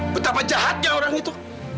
betapa jahatnya orang itu